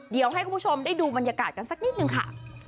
เดี๋ยวให้คุณผู้ชมได้ดูบรรยากาศกันสักนิดนึงค่ะ